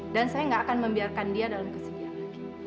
dan saya tidak akan membiarkan dia dalam kesedihan lagi